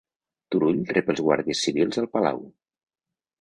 Turull rep els guàrdies civils al palau